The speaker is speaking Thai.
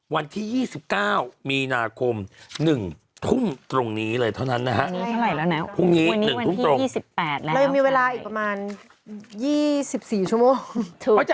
วันที่๒๙มีนาคม๑ทุ่มตรงนี้เลยเท่านั้นนะฮะ